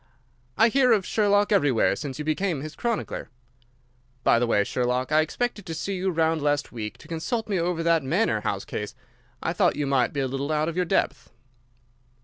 "I hear of Sherlock everywhere since you became his chronicler. By the way, Sherlock, I expected to see you round last week, to consult me over that Manor House case. I thought you might be a little out of your depth."